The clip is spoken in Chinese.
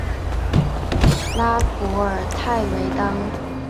拉弗尔泰维当。